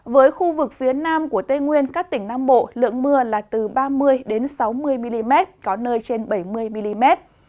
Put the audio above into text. với khu vực phía nam của tây nguyên các tỉnh nam bộ lượng mưa là từ ba mươi sáu mươi mm có nơi trên bảy mươi mm